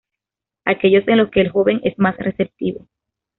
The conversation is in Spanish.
Aquellos en los que el joven es más receptivo.